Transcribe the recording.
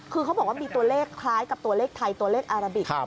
คือเขาบอกว่ามีตัวเลขคล้ายกับตัวเลขไทยตัวเลขอาราบิก